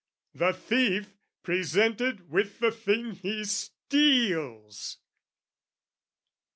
The thief presented with the thing he steals!